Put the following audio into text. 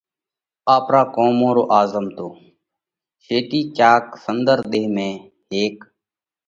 آپرون ڪرمون رو آزمتو: شيٽِي ڪياڪ سُنۮر ۮيه ۾ هيڪ